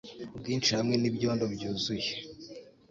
ubwinshi hamwe nibyondo byuzuye